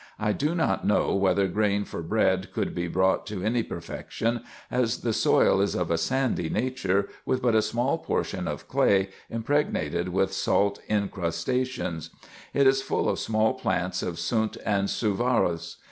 I do not know whether grain for bread could be brought to any perfection, as the soil is of a sandy nature, with but a small portion of clay, impregnated with salt incrustations. It is full of small plants of sunt and suvaroes.